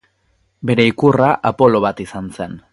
Bere ikurra Apolo bat izan zen.